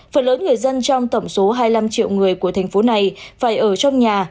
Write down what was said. phần lớn người dân trong tổng số hai mươi năm triệu người của thành phố này phải ở trong nhà